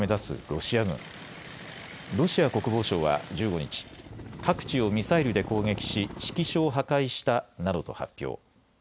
ロシア国防省は１５日、各地をミサイルで攻撃し指揮所を破壊したなどと発表。